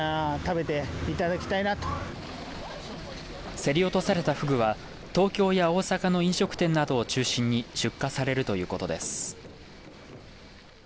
競り落とされたふぐは東京や大阪の飲食店などを中心に出荷されるということです。